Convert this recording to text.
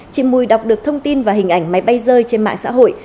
chị mùi đọc được thông tin và hình ảnh máy bay rơi trên mạng xã hội